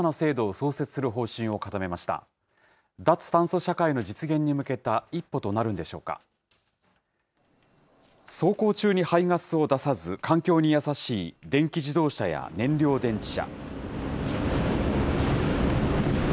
走行中に排ガスを出さず、環境に優しい電気自動車や燃料電池車。